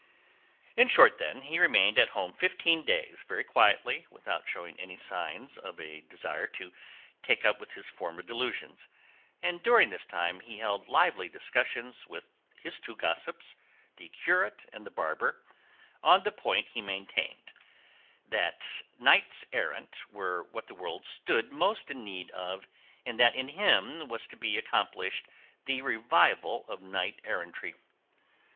In short, then, he remained at home fifteen days very quietly without showing any signs of a desire to take up with his former delusions, and during this time he held lively discussions with his two gossips, the curate and the barber, on the point he maintained, that knights errant were what the world stood most in need of, and that in him was to be accomplished the revival of knight errantry.